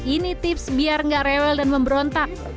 ini tips biar nggak rewel dan memberontak